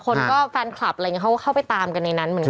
คนก็แฟนคลับอะไรอย่างนี้เขาก็เข้าไปตามกันในนั้นเหมือนกัน